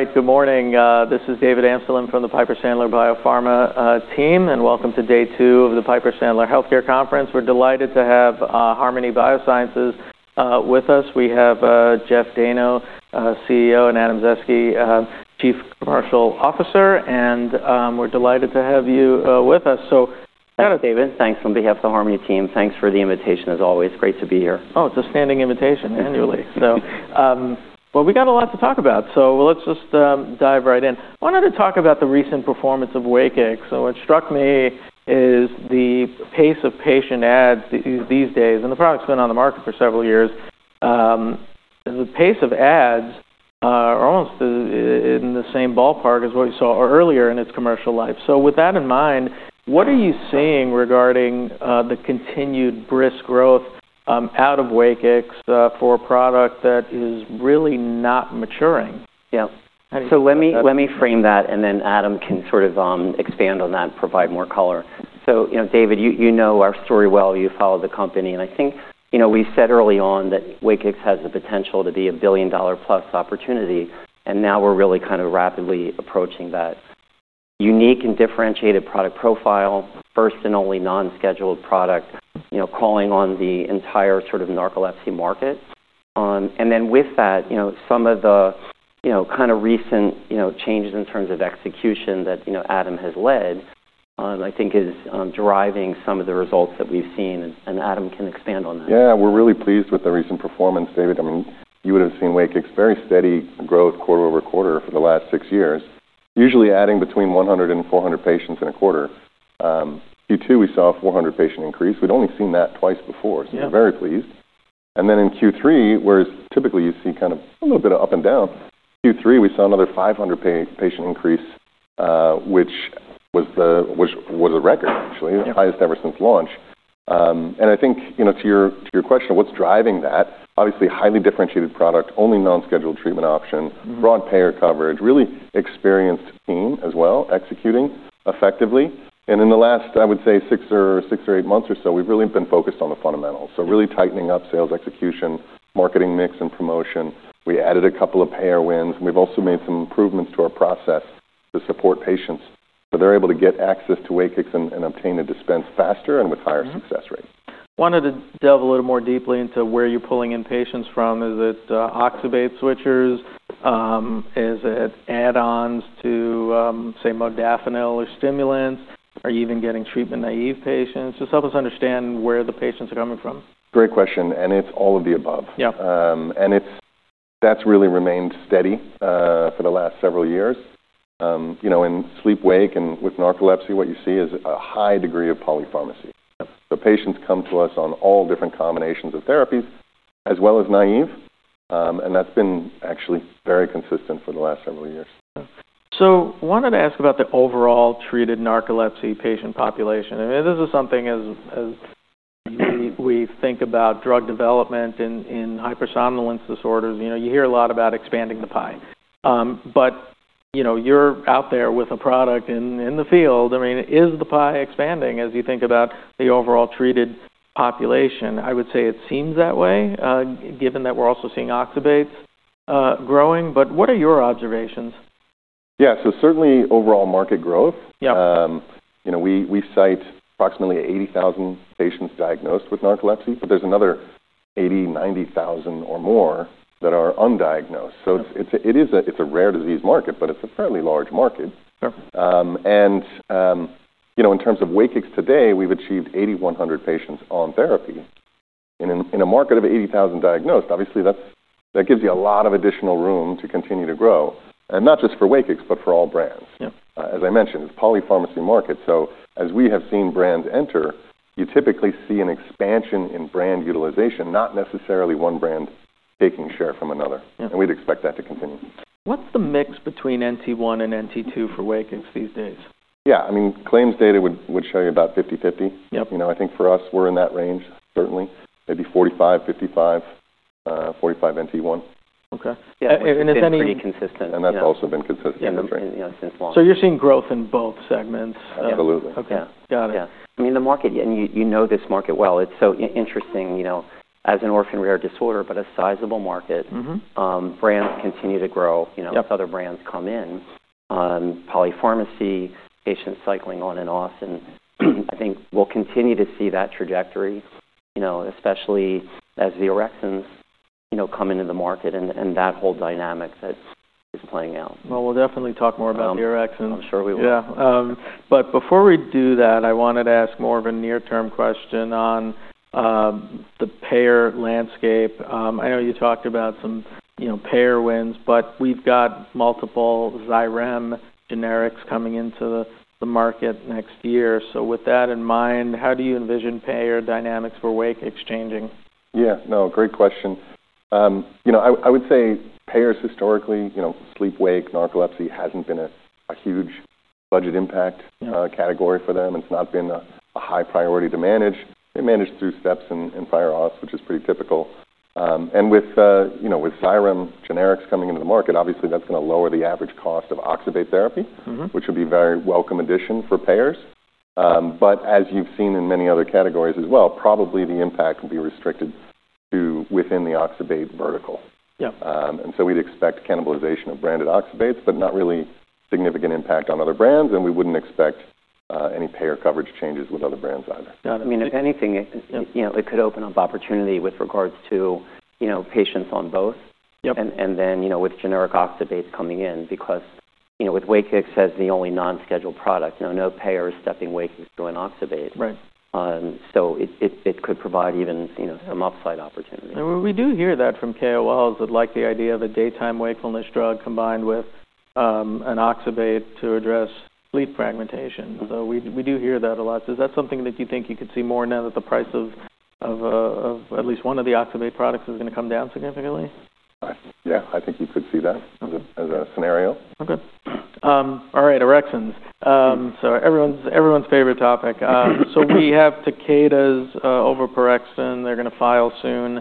All right, good morning. This is David Amsellem from the Piper Sandler Biopharma team, and welcome to day two of the Piper Sandler Healthcare Conference. We're delighted to have Harmony Biosciences with us. We have Jeff Dayno, CEO, and Adam Zaeske, Chief Commercial Officer, and we're delighted to have you with us. So. Hello, David. Thanks on behalf of the Harmony team. Thanks for the invitation, as always. Great to be here. Oh, it's a standing invitation annually. We got a lot to talk about, so let's just dive right in. I wanted to talk about the recent performance of WAKIX. What struck me is the pace of patient adds these days, and the product's been on the market for several years. The pace of adds is almost in the same ballpark as what we saw earlier in its commercial life. With that in mind, what are you seeing regarding the continued brisk growth out of WAKIX for a product that is really not maturing? Yeah. So let me frame that, and then Adam can sort of expand on that, provide more color. So, David, you know our story well. You follow the company, and I think we said early on that WAKIX has the potential to be a $1 billion-plus opportunity, and now we're really kind of rapidly approaching that unique and differentiated product profile, first and only non-scheduled product, calling on the entire sort of narcolepsy market. And then with that, some of the kind of recent changes in terms of execution that Adam has led, I think, is driving some of the results that we've seen, and Adam can expand on that. Yeah, we're really pleased with the recent performance, David. I mean, you would have seen WAKIX very steady growth quarter-over-quarter for the last six years, usually adding between 100 and 400 patients in a quarter. Q2, we saw a 400-patient increase. We'd only seen that twice before, so we're very pleased. And then in Q3, whereas typically you see kind of a little bit of up and down, Q3 we saw another 500-patient increase, which was a record, actually, the highest ever since launch. And I think to your question, what's driving that? Obviously, highly differentiated product, only non-scheduled treatment option, broad payer coverage, really experienced team as well, executing effectively. And in the last, I would say, six or eight months or so, we've really been focused on the fundamentals, so really tightening up sales execution, marketing mix, and promotion. We added a couple of payer wins, and we've also made some improvements to our process to support patients. So they're able to get access to WAKIX and obtain a dispense faster and with higher success rates. Wanted to delve a little more deeply into where you're pulling in patients from. Is it oxybate switchers? Is it add-ons to, say, modafinil or stimulants? Are you even getting treatment-naive patients? Just help us understand where the patients are coming from. Great question, and it's all of the above. And that's really remained steady for the last several years. In sleep-wake and with narcolepsy, what you see is a high degree of polypharmacy. So patients come to us on all different combinations of therapies, as well as naive, and that's been actually very consistent for the last several years. I wanted to ask about the overall treated narcolepsy patient population. I mean, this is something as we think about drug development in hypersomnolence disorders, you hear a lot about expanding the pie. But you're out there with a product in the field. I mean, is the pie expanding as you think about the overall treated population? I would say it seems that way, given that we're also seeing oxybates growing. But what are your observations? Yeah, so certainly overall market growth. We cite approximately 80,000 patients diagnosed with narcolepsy, but there's another 80,000, 90,000 or more that are undiagnosed. So it's a rare disease market, but it's a fairly large market. And in terms of WAKIX today, we've achieved 8,100 patients on therapy. In a market of 80,000 diagnosed, obviously that gives you a lot of additional room to continue to grow, and not just for WAKIX, but for all brands. As I mentioned, it's a polypharmacy market, so as we have seen brands enter, you typically see an expansion in brand utilization, not necessarily one brand taking share from another. And we'd expect that to continue. What's the mix between NT1 and NT2 for WAKIX these days? Yeah, I mean, claims data would show you about 50/50. I think for us, we're in that range, certainly. Maybe 45/55, 45 NT1. Okay. And is any. It's pretty consistent. And that's also been consistent. You're seeing growth in both segments. Absolutely. Okay. Got it. I mean, the market, and you know this market well. It's so interesting. As an orphan rare disorder, but a sizable market, brands continue to grow. Other brands come in. Polypharmacy, patients cycling on and off, and I think we'll continue to see that trajectory, especially as the orexins come into the market and that whole dynamic that is playing out. We'll definitely talk more about the orexins. I'm sure we will. Yeah. But before we do that, I wanted to ask more of a near-term question on the payer landscape. I know you talked about some payer wins, but we've got multiple Xyrem generics coming into the market next year. So with that in mind, how do you envision payer dynamics for WAKIX changing? Yeah, no, great question. I would say payers historically, sleep-wake, narcolepsy hasn't been a huge budget impact category for them. It's not been a high priority to manage. They manage through steps and fail-firsts, which is pretty typical. And with Xyrem generics coming into the market, obviously that's going to lower the average cost of oxybate therapy, which would be a very welcome addition for payers. But as you've seen in many other categories as well, probably the impact will be restricted to within the oxybate vertical. And so we'd expect cannibalization of branded oxybates, but not really significant impact on other brands, and we wouldn't expect any payer coverage changes with other brands either. I mean, if anything, it could open up opportunity with regards to patients on both, and then with generic oxybates coming in, because with WAKIX as the only non-scheduled product, no payer is stepping WAKIX to an oxybate. So it could provide even some upside opportunity. We do hear that from KOLs that like the idea of a daytime wakefulness drug combined with an oxybate to address sleep fragmentation. So we do hear that a lot. Is that something that you think you could see more now that the price of at least one of the oxybate products is going to come down significantly? Yeah, I think you could see that as a scenario. Okay. All right, orexins. Everyone's favorite topic. We have Takeda's oveporexton. They're going to file soon.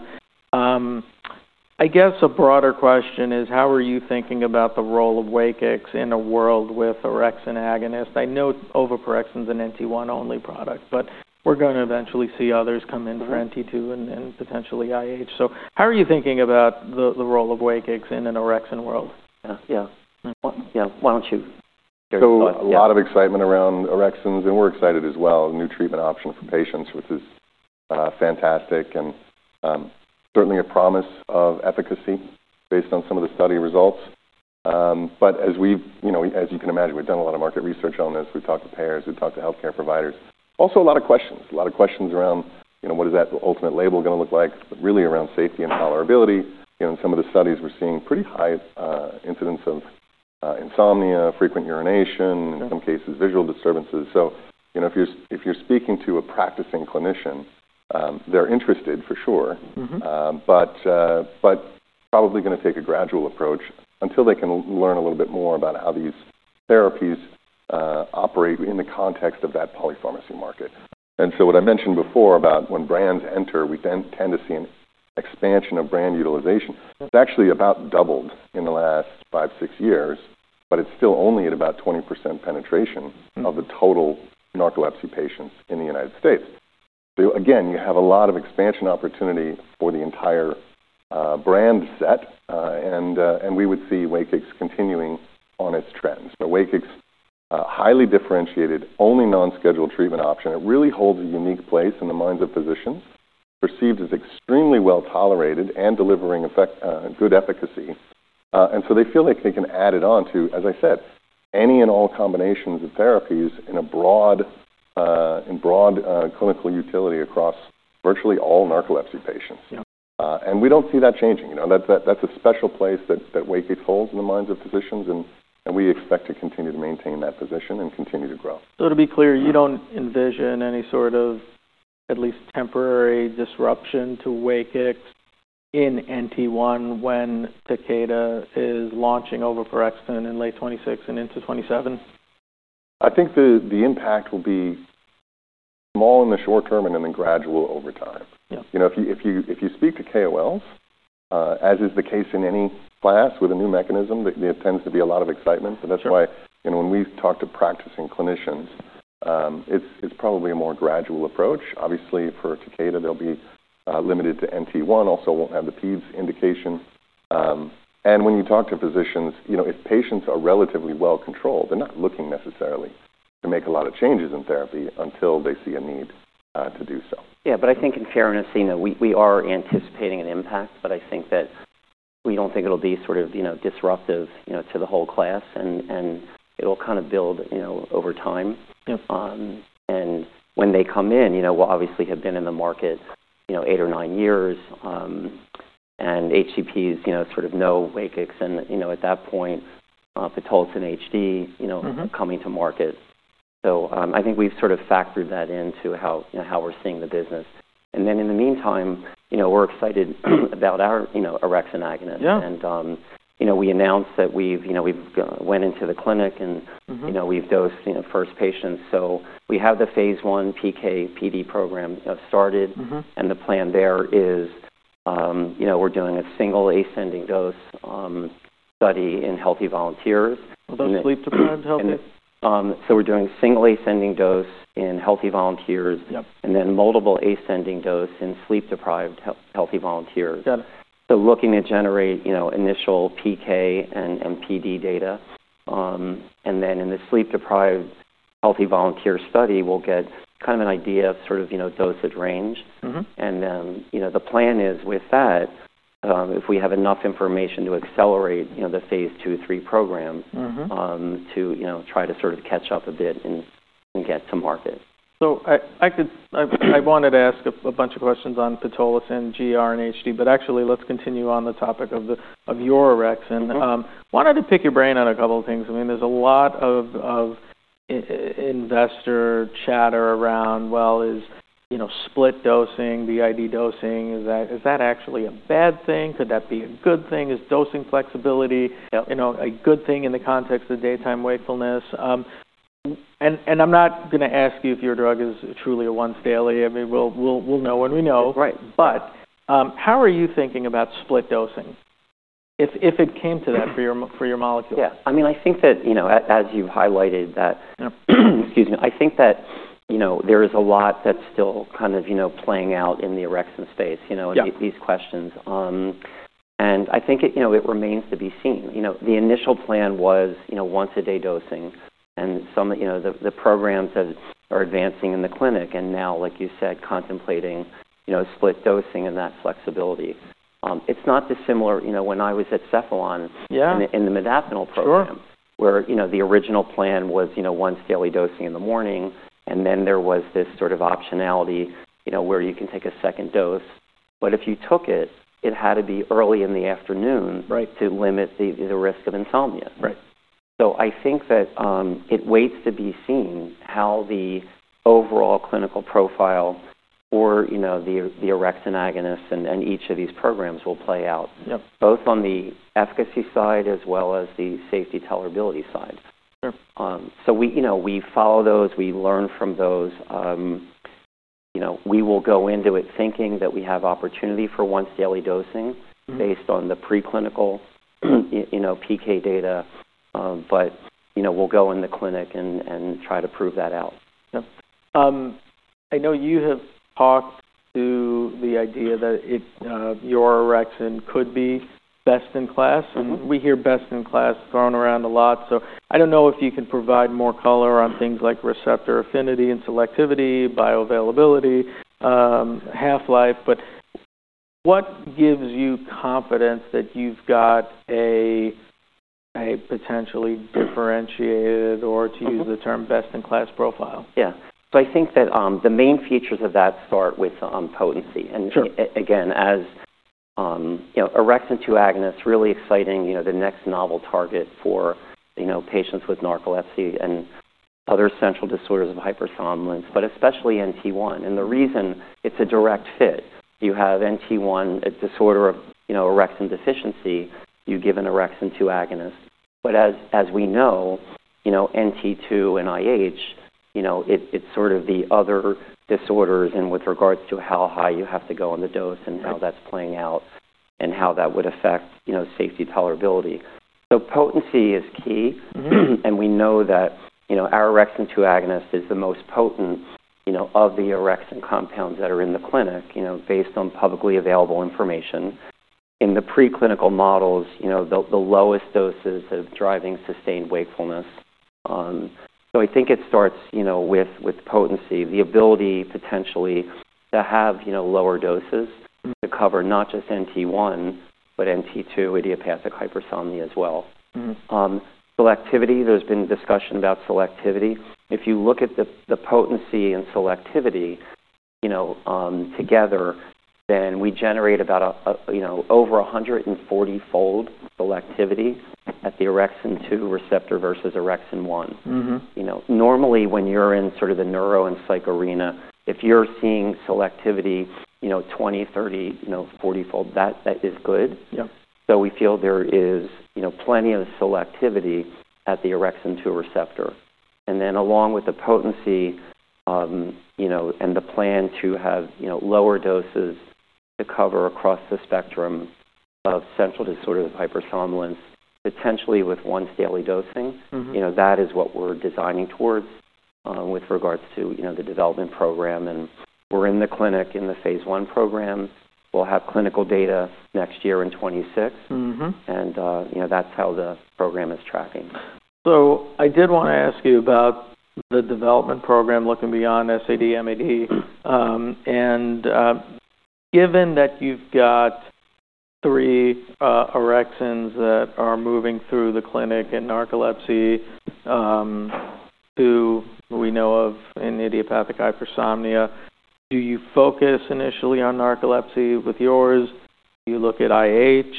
A broader question is, how are you thinking about the role of WAKIX in a world with orexin agonist? I know oveporexton is an NT1-only product, but we're going to eventually see others come in for NT2 and potentially IH. How are you thinking about the role of WAKIX in an orexin world? Yeah, yeah. Why don't you share your thoughts? So a lot of excitement around orexins, and we're excited as well. New treatment option for patients, which is fantastic, and certainly a promise of efficacy based on some of the study results. But as you can imagine, we've done a lot of market research on this. We've talked to payers. We've talked to healthcare providers. Also, a lot of questions. A lot of questions around what is that ultimate label going to look like, but really around safety and tolerability. In some of the studies, we're seeing pretty high incidence of insomnia, frequent urination, in some cases visual disturbances. So if you're speaking to a practicing clinician, they're interested for sure, but probably going to take a gradual approach until they can learn a little bit more about how these therapies operate in the context of that polypharmacy market. What I mentioned before about when brands enter, we tend to see an expansion of brand utilization. It's actually about doubled in the last five, six years, but it's still only at about 20% penetration of the total narcolepsy patients in the United States. You have a lot of expansion opportunity for the entire brand set, and we would see WAKIX continuing on its trend. WAKIX, highly differentiated, only non-scheduled treatment option, it really holds a unique place in the minds of physicians, perceived as extremely well tolerated and delivering good efficacy. They feel like they can add it on to, as I said, any and all combinations of therapies in broad clinical utility across virtually all narcolepsy patients. We don't see that changing. That's a special place that WAKIX holds in the minds of physicians, and we expect to continue to maintain that position and continue to grow. So to be clear, you don't envision any sort of at least temporary disruption to WAKIX in NT1 when Takeda is launching oveporexton in late 2026 and into 2027? I think the impact will be small in the short term and then gradual over time. If you speak to KOLs, as is the case in any class with a new mechanism, there tends to be a lot of excitement. So that's why when we talk to practicing clinicians, it's probably a more gradual approach. Obviously, for Takeda, they'll be limited to NT1. Also, won't have the pediatric indication. And when you talk to physicians, if patients are relatively well controlled, they're not looking necessarily to make a lot of changes in therapy until they see a need to do so. Yeah, but I think in fairness, we are anticipating an impact, but I think that we don't think it'll be sort of disruptive to the whole class, and it'll kind of build over time. And when they come in, we'll obviously have been in the market eight or nine years, and HCPs sort of know WAKIX, and at that point, pitolisant HD coming to market. So I think we've sort of factored that into how we're seeing the business. And then in the meantime, we're excited about our orexin agonist. And we announced that we've gone into the clinic and we've dosed first patients. So we have the phase I PK/PD program started, and the plan there is we're doing a single ascending dose study in healthy volunteers. Well, those sleep-deprived healthy? We're doing single ascending dose in healthy volunteers, and then multiple ascending dose in sleep-deprived healthy volunteers. We're looking to generate initial PK and PD data. In the sleep-deprived healthy volunteer study, we'll get kind of an idea of sort of dosage range. The plan is with that, if we have enough information to accelerate the phase II and three program to try to sort of catch up a bit and get to market. So I wanted to ask a bunch of questions on pitolisant GR and HD, but actually let's continue on the topic of your orexin. Wanted to pick your brain on a couple of things. I mean, there's a lot of investor chatter around, well, is split dosing, BID dosing, is that actually a bad thing? Could that be a good thing? Is dosing flexibility a good thing in the context of daytime wakefulness? And I'm not going to ask you if your drug is truly a once daily. I mean, we'll know when we know. But how are you thinking about split dosing if it came to that for your molecule? Yeah. I mean, I think that as you've highlighted that, excuse me, I think that there is a lot that's still kind of playing out in the orexin space, these questions, and I think it remains to be seen. The initial plan was once-a-day dosing, and some of the programs that are advancing in the clinic, and now, like you said, contemplating split dosing and that flexibility. It's not dissimilar when I was at Cephalon in the modafinil program, where the original plan was once daily dosing in the morning, and then there was this sort of optionality where you can take a second dose, but if you took it, it had to be early in the afternoon to limit the risk of insomnia. So I think that it waits to be seen how the overall clinical profile or the orexin agonist and each of these programs will play out, both on the efficacy side as well as the safety tolerability side. So we follow those. We learn from those. We will go into it thinking that we have opportunity for once daily dosing based on the preclinical PK data, but we'll go in the clinic and try to prove that out. I know you have talked to the idea that your orexin could be best in class. We hear best in class thrown around a lot. So I don't know if you can provide more color on things like receptor affinity and selectivity, bioavailability, half-life? But what gives you confidence that you've got a potentially differentiated, or to use the term, best-in-class profile? Yeah. So I think that the main features of that start with potency and again, as orexin-2 agonist, really exciting, the next novel target for patients with narcolepsy and other central disorders of hypersomnolence, but especially NT1, and the reason it's a direct fit. You have NT1, a disorder of orexin deficiency. You give an orexin-2 agonist, but as we know, NT2 and IH, it's sort of the other disorders in with regards to how high you have to go on the dose and how that's playing out and how that would affect safety tolerability, so potency is key, and we know that our orexin-2 agonist is the most potent of the orexin compounds that are in the clinic based on publicly available information. In the preclinical models, the lowest doses of driving sustained wakefulness. So I think it starts with potency, the ability potentially to have lower doses to cover not just NT1, but NT2, idiopathic hypersomnia as well. Selectivity, there's been discussion about selectivity. If you look at the potency and selectivity together, then we generate about over 140-fold selectivity at the orexin-2 receptor versus orexin-1. Normally, when you're in sort of the neuro and psych arena, if you're seeing selectivity 20, 30, 40-fold, that is good. So we feel there is plenty of selectivity at the orexin-2 receptor. And then along with the potency and the plan to have lower doses to cover across the spectrum of central disorders of hypersomnolence, potentially with once daily dosing, that is what we're designing towards with regards to the development program. And we're in the clinic in the phase I program. We'll have clinical data next year in 2026, and that's how the program is tracking. So I did want to ask you about the development program looking beyond SAD, MAD. And given that you've got three orexins that are moving through the clinic and narcolepsy, two we know of in idiopathic hypersomnia, do you focus initially on narcolepsy with yours? Do you look at IH?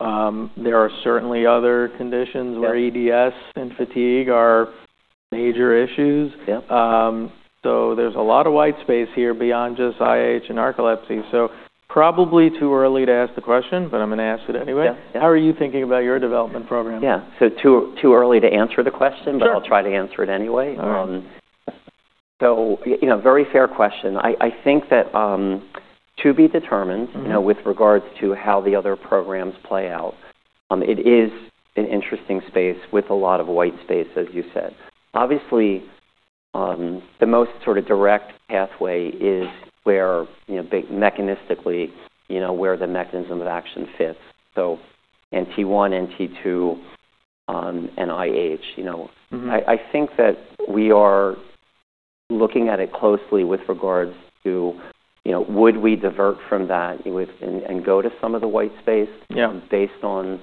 There are certainly other conditions where EDS and fatigue are major issues. So there's a lot of white space here beyond just IH and narcolepsy. So probably too early to ask the question, but I'm going to ask it anyway. How are you thinking about your development program? Yeah, so too early to answer the question, but I'll try to answer it anyway, so very fair question. I think that to be determined with regards to how the other programs play out, it is an interesting space with a lot of white space, as you said. Obviously, the most sort of direct pathway is where mechanistically the mechanism of action fits. So NT1, NT2, and IH. I think that we are looking at it closely with regards to would we divert from that and go to some of the white space based on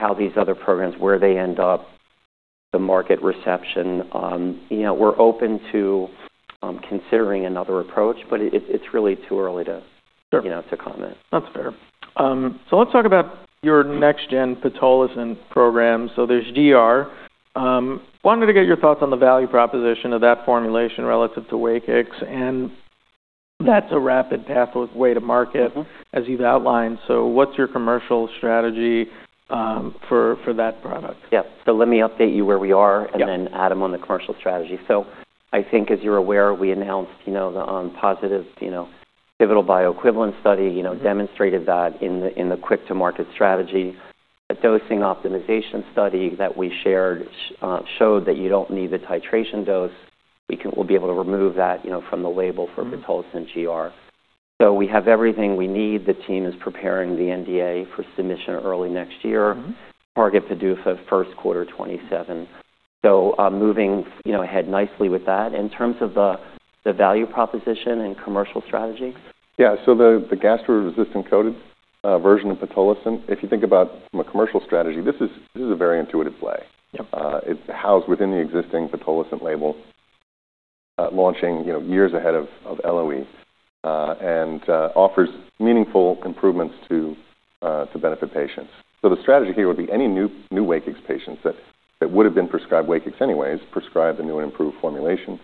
how these other programs, where they end up, the market reception. We're open to considering another approach, but it's really too early to comment. That's fair, so let's talk about your next-gen pitolisant program, so there's GR, wanted to get your thoughts on the value proposition of that formulation relative to WAKIX, and that's a rapid pathway to market, as you've outlined, so what's your commercial strategy for that product? Yeah. So let me update you where we are and then add them on the commercial strategy. So I think, as you're aware, we announced the positive pivotal bioequivalent study, demonstrated that in the quick-to-market strategy. A dosing optimization study that we shared showed that you don't need the titration dose. We'll be able to remove that from the label for pitolisant GR. So we have everything we need. The team is preparing the NDA for submission early next year. Target to do for first quarter 2027. So moving ahead nicely with that. In terms of the value proposition and commercial strategy? Yeah. So the gastro-resistant coated version of pitolisant, if you think about from a commercial strategy, this is a very intuitive play. It's housed within the existing pitolisant label, launching years ahead of LOE, and offers meaningful improvements to benefit patients. So the strategy here would be any new WAKIX patients that would have been prescribed WAKIX anyways, prescribe the new and improved formulation,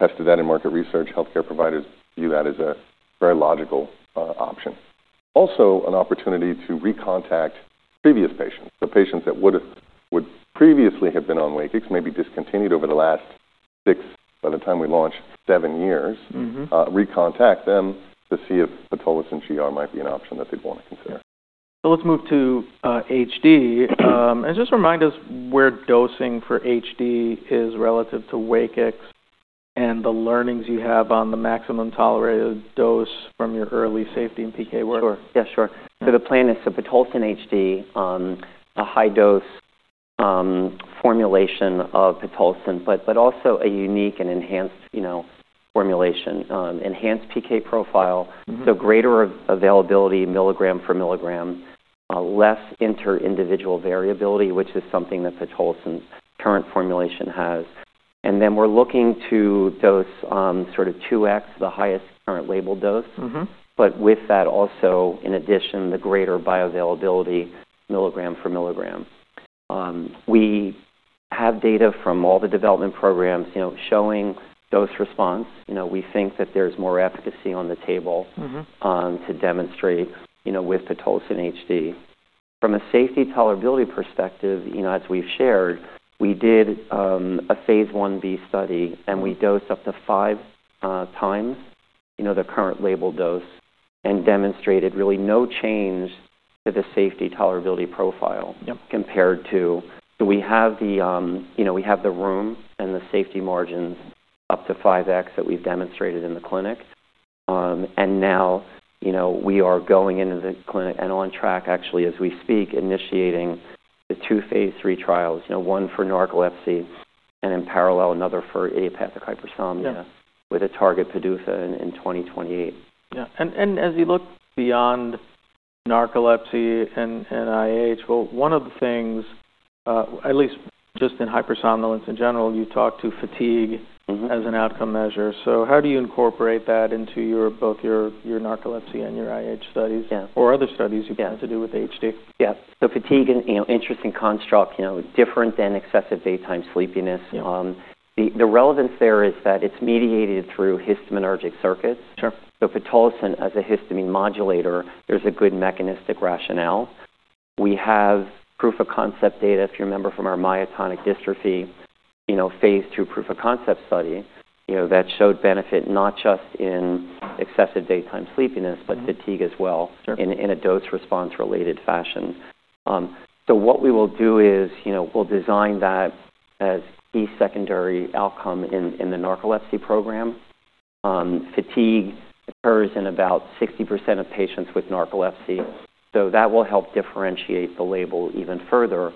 tested that in market research. Healthcare providers view that as a very logical option. Also, an opportunity to recontact previous patients. So patients that would previously have been on WAKIX, maybe discontinued over the last six, by the time we launched, seven years, recontact them to see if pitolisant GR might be an option that they'd want to consider. Let's move to HD. Just remind us where dosing for HD is relative to WAKIX and the learnings you have on the maximum tolerated dose from your early safety and PK work. Sure. Yeah, sure. The plan is for pitolisant HD, a high-dose formulation of pitolisant, but also a unique and enhanced formulation, enhanced PK profile, so greater availability milligram for milligram, less inter-individual variability, which is something that pitolisant's current formulation has. We're looking to dose sort of 2x the highest current label dose, but with that also, in addition, the greater bioavailability milligram for milligram. We have data from all the development programs showing dose response. We think that there's more efficacy on the table to demonstrate with pitolisant HD. From a safety tolerability perspective, as we've shared, we did a phase I-B study, and we dosed up to five times the current label dose and demonstrated really no change to the safety tolerability profile compared to. We have the room and the safety margins up to 5x that we've demonstrated in the clinic. Now we are going into the clinic and on track, actually, as we speak, initiating the two phase III trials, one for narcolepsy and in parallel another for idiopathic hypersomnia with a target PDUFA in 2028. Yeah. And as you look beyond narcolepsy and IH, well, one of the things, at least just in hypersomnolence in general, you talk to fatigue as an outcome measure. So how do you incorporate that into both your narcolepsy and your IH studies or other studies you plan to do with HD? Yeah. So fatigue is an interesting construct, different than excessive daytime sleepiness. The relevance there is that it's mediated through histaminergic circuits. So pitolisant as a histamine modulator, there's a good mechanistic rationale. We have proof of concept data, if you remember, from our myotonic dystrophy phase II proof of concept study that showed benefit not just in excessive daytime sleepiness, but fatigue as well in a dose response-related fashion. So what we will do is we'll design that as a secondary outcome in the narcolepsy program. Fatigue occurs in about 60% of patients with narcolepsy. So that will help differentiate the label even further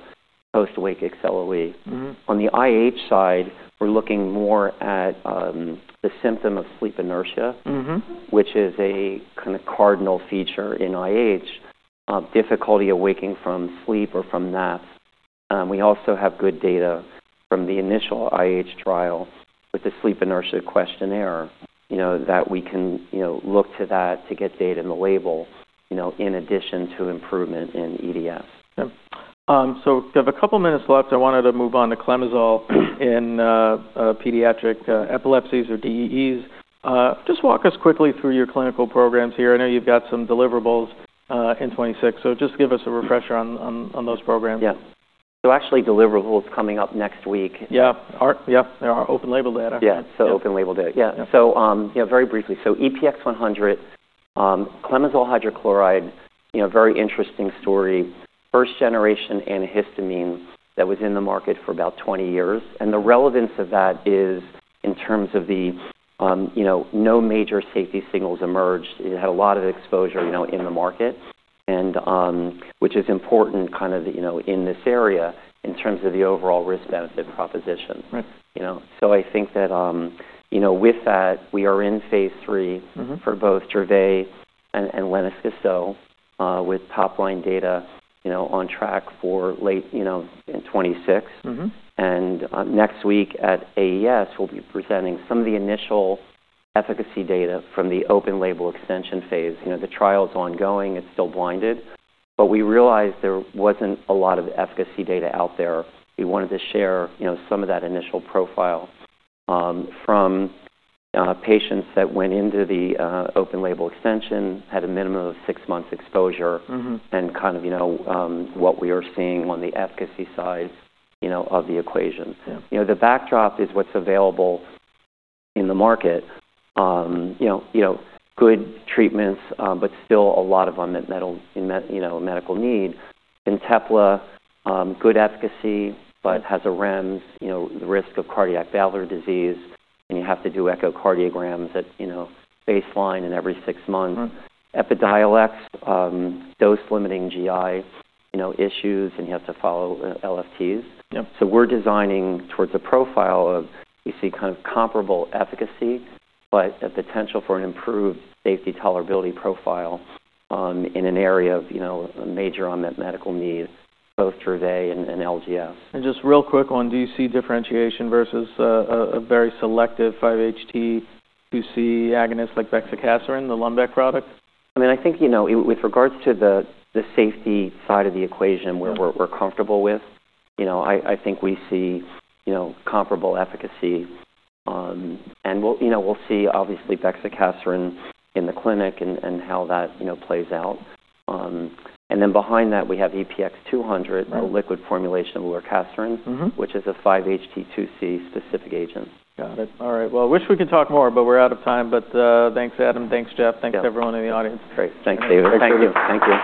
post-wake acceleration. On the IH side, we're looking more at the symptom of sleep inertia, which is a kind of cardinal feature in IH, difficulty awaking from sleep or from naps. We also have good data from the initial IH trial with the sleep inertia questionnaire that we can look to that to get data in the label in addition to improvement in EDS. So we have a couple of minutes left. I wanted to move on to clemizole in pediatric epilepsies or DEEs. Just walk us quickly through your clinical programs here. I know you've got some deliverables in 2026. So just give us a refresher on those programs. Yeah. So actually, deliverables coming up next week. Yeah. Yeah. There are open label data. Yeah. So open label data. Yeah. So very briefly. So EPX-100, clemizole hydrochloride, very interesting story, first-generation antihistamine that was in the market for about 20 years. And the relevance of that is in terms of the no major safety signals emerged. It had a lot of exposure in the market, which is important kind of in this area in terms of the overall risk-benefit proposition. So I think that with that, we are in phase III for both Dravet and Lennox-Gastaut with top-line data on track for late in 2026. And next week at AES, we'll be presenting some of the initial efficacy data from the open label extension phase. The trial is ongoing. It's still blinded. But we realized there wasn't a lot of efficacy data out there. We wanted to share some of that initial profile from patients that went into the open label extension, had a minimum of six months exposure, and kind of what we are seeing on the efficacy side of the equation. The backdrop is what's available in the market. Good treatments, but still a lot of unmet medical need. Fintepla, good efficacy, but has a REMS, the risk of cardiac valvular disease, and you have to do echocardiograms at baseline and every six months. Epidiolex, dose-limiting GI issues, and you have to follow LFTs. So we're designing towards a profile of we see kind of comparable efficacy, but a potential for an improved safety tolerability profile in an area of major unmet medical need, both Dravet and LGS. Just real quick on, do you see differentiation versus a very selective 5HT2C agonist like bexicaserin, the Lundbeck product? I mean, I think with regards to the safety side of the equation where we're comfortable with, I think we see comparable efficacy. And we'll see, obviously, bexicaserin in the clinic and how that plays out. And then behind that, we have EPX-200, the liquid formulation of lorcaserin, which is a 5HT2C specific agent. Got it. All right. Well, I wish we could talk more, but we're out of time. But thanks, Adam. Thanks, Jeff. Thanks to everyone in the audience. Great. Thanks, David. Thank you. Thank you.